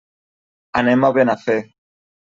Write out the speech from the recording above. Anem a Benafer.